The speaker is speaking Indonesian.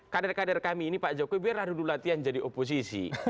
kader kader kami ini pak jokowi biar lalu lalu latihan jadi oposisi